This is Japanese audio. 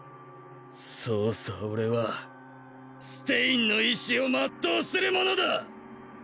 そうさ俺はステインの意志を全うする者だ！